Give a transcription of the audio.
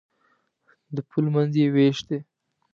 د پل منځ یې وېش دی.